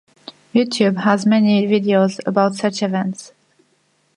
YouTube has many videos about such events.